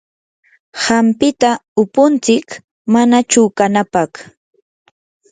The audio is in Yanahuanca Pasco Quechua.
hampita upuntsik mana chuqanapaq.